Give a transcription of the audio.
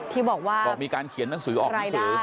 ที่บอกว่าบอกมีการเขียนหนังสือออกหนังสือ